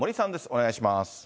お願いします。